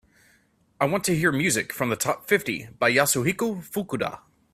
I want to hear music from the top fifty by Yasuhiko Fukuda